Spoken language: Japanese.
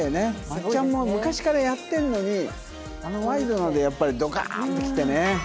松っちゃんも昔からやってるのにあの『ワイドナ』でやっぱりドカーンときてね。